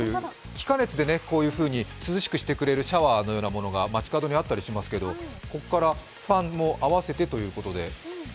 気化熱でこういうふうに涼しくしてくれるシャワーのようなものが街角にあったりしますけれどもこっからファンも合わせてということで。